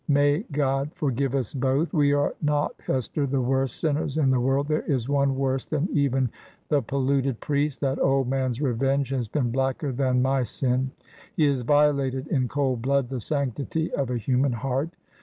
May God forgive us both! We are not, Hester, the worst sinners in the world. There is one worse than even the polluted priest I That old man's revenge has been blacker than my sin I He has vio lated, in cold blood, the sanctity of a human heart.